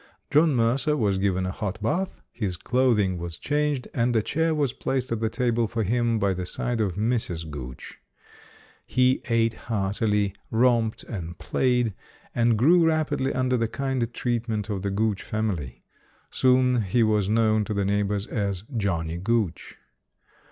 John Mercer was given a hot bath, his clothing was changed, and a chair was placed at the table for him by the side of Mrs. Gooch. He ate heart ily, romped and played, and grew rapidly under the kind treatment of the Gooch family. Soon he was known to the neighbors as "Johnnie Gooch".